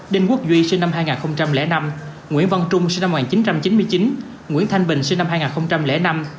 đinh quốc duy sinh năm hai nghìn năm nguyễn văn trung sinh năm một nghìn chín trăm chín mươi chín nguyễn thanh bình sinh năm hai nghìn năm